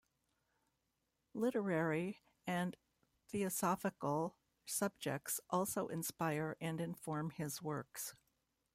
Literary and theosophical subjects also inspire and inform his works.